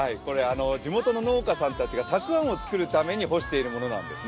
地元の農家さんたちがたくあんを作るために干しているものなんですね。